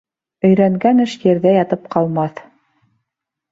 Өйрәнгән эш ерҙә ятып ҡалмаҫ.